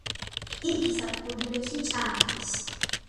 იგი საპყრობილეში ჩააგდეს.